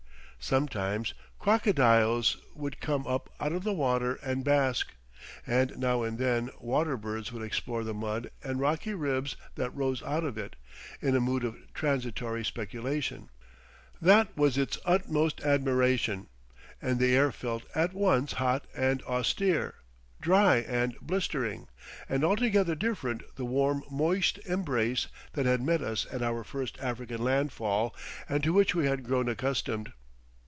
Sometimes crocodiles would come up out of the water and bask, and now and then water birds would explore the mud and rocky ribs that rose out of it, in a mood of transitory speculation. That was its utmost admiration. And the air felt at once hot and austere, dry and blistering, and altogether different the warm moist embrace that had met us at our first African landfall and to which we had grown accustomed.